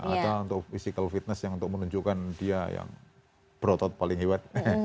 atau untuk physical fitness yang untuk menunjukkan dia yang berotot paling hebat